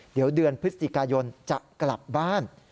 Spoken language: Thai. เดี๋ยวเดือนพฤศจิกายนจะกลับบ้าน